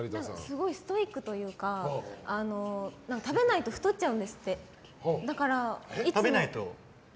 すごいストイックというか食べないと痩せちゃう。